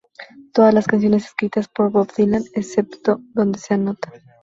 Todas las canciones escritas por Bob Dylan excepto donde se anota.